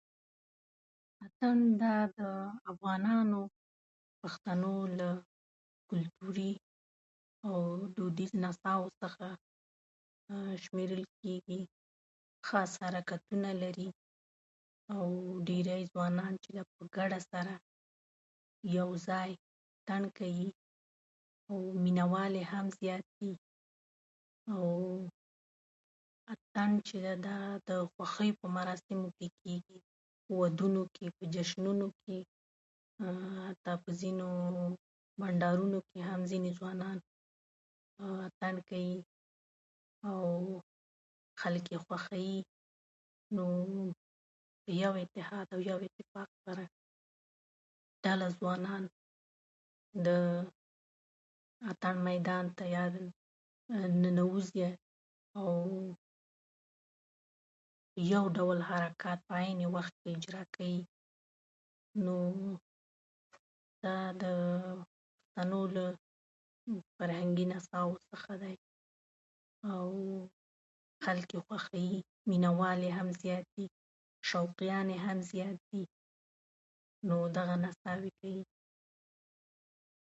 دا د افغانانو، پښتنو له کلتوري او دودیزو نڅاوو څخه شمېرل کېږي. خاص حرکتونه لري، او ډېری ځوانان چې دي، په ګډه سره یوځای اتڼ کوي. مینه وال یې هم زیات دي. او اتڼ چې دی، دا د خوښۍ په مراسمو کې کېږي، په ودونو کې، په جشنونو کې، حتی په ځینو بندارونو کې هم ځوانان اتڼ کوي، او خلک یې خوښوي. نو یو اتحاد، یو اتفاق سره ډله ځوانان د اتڼ میدان ته، یعنې ننوځي، او یو ډول حرکات په عین وخت کې اجرا کوي. نو د پښتنو له فرهنګي نڅاوو څخه دی، او خلک یې خوښوي. مینه وال یې هم زیات دي، شوقیان یې هم زیات دي. نو دغه نڅاوې دي.